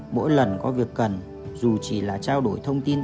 mỗi lần có việc cần dù chỉ là trao đổi thông tin